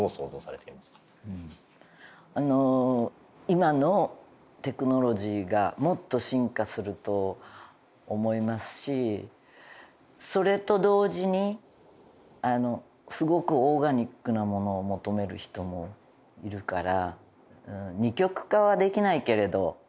今のテクノロジーがもっと進化すると思いますしそれと同時にあのすごくオーガニックなものを求める人もいるから。